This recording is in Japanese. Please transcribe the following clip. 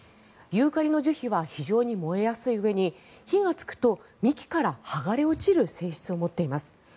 ユーカリの樹皮は非常に燃えやすいうえに火がつくと幹から剥がれ落ちる性質を持っています。